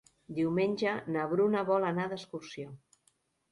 Diumenge na Bruna vol anar d'excursió.